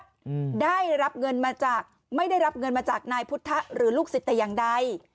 อืมได้รับเงินมาจากไม่ได้รับเงินมาจากนายพุทธหรือลูกศิษย์แต่อย่างใด